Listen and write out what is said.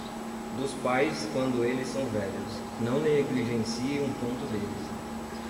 Dos pais quando eles são velhos, não negligencie um ponto deles.